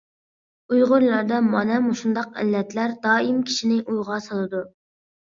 ئۇيغۇرلاردا مانا مۇشۇنداق ئىللەتلەر دائىم كىشىنى ئويغا سالىدۇ.